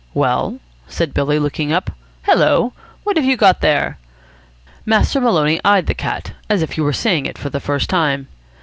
"Well?" said Billy, looking up. "Hello, what have you got there?" Master Maloney eyed the cat, as if he were seeing it for the first time.